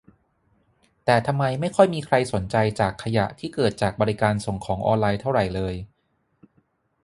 แต่ทำไมไม่ค่อยมีใครสนใจจากขยะที่เกิดจากบริการส่งของออนไลน์เท่าไหร่เลย